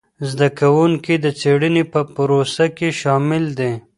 زده کوونکي د څېړنې په پروسه کي شامل دي.